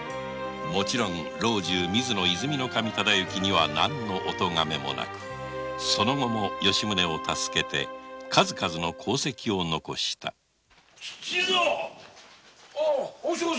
もちろん老中・水野忠之には何のおとがめもなくその後も吉宗を助けて数々の功績を残した吉蔵吉蔵。